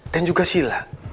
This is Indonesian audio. dan juga sila